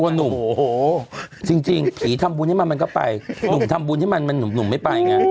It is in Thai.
หนุ่มโอ้โหจริงผีทำบุญให้มันมันก็ไปหนุ่มทำบุญให้มันมันหนุ่มไม่ไปไง